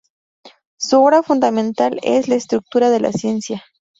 Su obra fundamental es "La estructura de la ciencia".